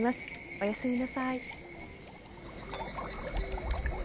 おやすみなさい。